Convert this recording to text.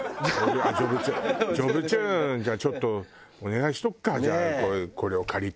『ジョブチューン』じゃあちょっとお願いしておくかこれを借りて。